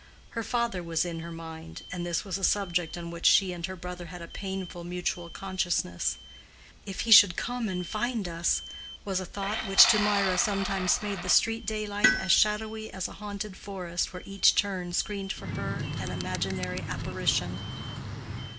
Her father was in her mind, and this was a subject on which she and her brother had a painful mutual consciousness. "If he should come and find us!" was a thought which to Mirah sometimes made the street daylight as shadowy as a haunted forest where each turn screened for her an imaginary apparition.